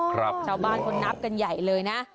ชาวบ้านเขานับกันใหญ่เลยนะ